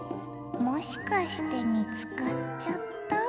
もしかしてみつかっちゃった？